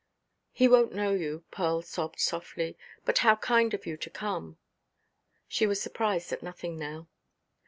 "He wonʼt know you," Pearl sobbed softly; "but how kind of you to come!" She was surprised at nothing now.